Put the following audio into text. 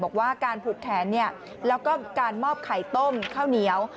บอกว่าการผุดแขนแล้วก็การมอบไข่ต้มข้าวเหนียว